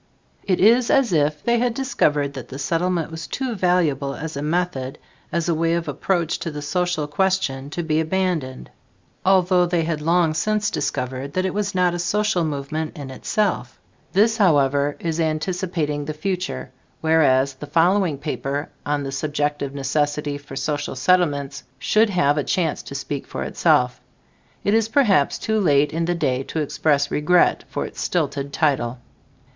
It is as if they had discovered that the Settlement was too valuable as a method as a way of approach to the social question to abandoned, although they had long since discovered it was not a "social movement" in itself. This, however, is anticipating the future, whereas the following paper on "The Subjective Necessity for Social Settlements" should have a chance to speak for itself. It is perhaps too late in the day to express regret for its stilted title.